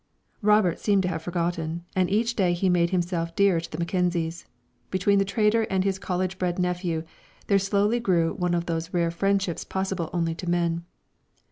Robert seemed to have forgotten, and each day he made himself dearer to the Mackenzies. Between the trader and his college bred nephew there slowly grew one of those rare friendships possible only to men.